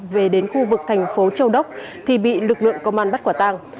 về đến khu vực thành phố châu đốc thì bị lực lượng công an bắt quả tàng